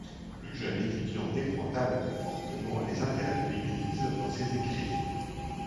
Le jeune étudiant défend alors fortement les intérêts de l'Église dans ses écrits.